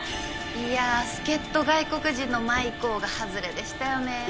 いやぁ助っ人外国人のマイコーがハズレでしたよね。